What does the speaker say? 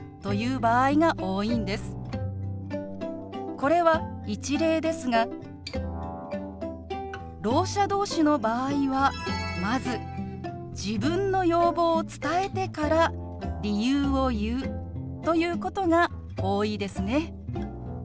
これは一例ですがろう者同士の場合はまず自分の要望を伝えてから理由を言うということが多いですね。